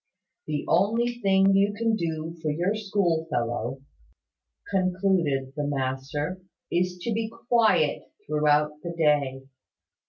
"The only thing you can now do for your school fellow," concluded the master, "is to be quiet throughout the day.